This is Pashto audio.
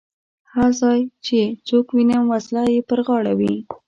هر ځای چې څوک وینم وسله یې پر غاړه وي.